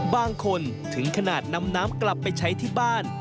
บางคนถึงขนาดนำน้ำกลับไปใช้ที่บ้าน